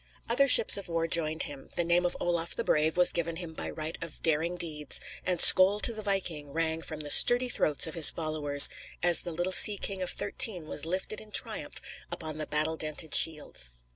Other ships of war joined him; the name of Olaf the Brave was given him by right of daring deeds, and "Skoal to the Viking!" rang from the sturdy throats of his followers as the little sea king of thirteen was lifted in triumph upon the battle dented shields.